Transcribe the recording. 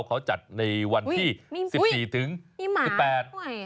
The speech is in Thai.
เขาจัดในวันที่๑๔๑๘มีหมาด้วย